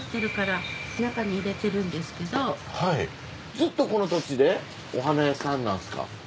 ずっとこの土地でお花屋さんなんですか？